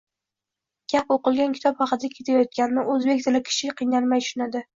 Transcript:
Gap oʻqilgan kitob haqida ketayotganini oʻzbek tilli kishi qiynalmay tushunadi